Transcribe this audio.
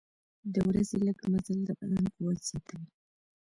د ورځې لږ مزل د بدن قوت زیاتوي.